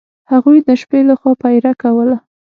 هغوی د شپې له خوا پیره کوله.